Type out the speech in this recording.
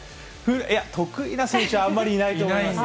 いや、得意な選手はあまりいないと思います。